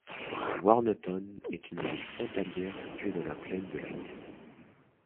Warneton est une ville frontalière située dans la Plaine de la Lys.